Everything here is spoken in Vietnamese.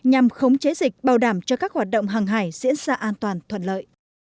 nhằm khống chế dịch bảo đảm cho các hoạt động hàng hải diễn ra an toàn thuận lợi